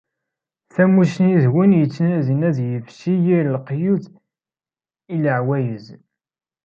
Tamusni d win yettnadin ad yefsi yir leqyud i leɛwayed.